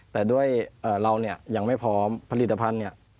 แต่ด้วยเราอย่างไม่พร้อมผลิตภัณฑ์นี่